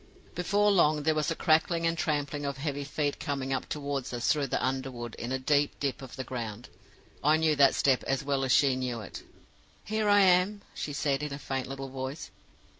"Before long, there was a crackling and trampling of heavy feet coming up toward us through the under wood in a deep dip of the ground. I knew that step as well as she knew it. 'Here I am,' she said, in a faint little voice.